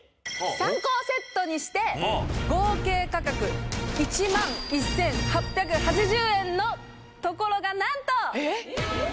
３個セットにして合計価格１１８８０円のところが何とえっ？